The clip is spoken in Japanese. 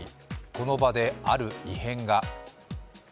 この場である異変が。